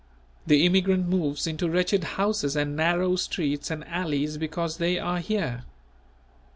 The immigrant moves into wretched houses and narrow streets and alleys because they are here.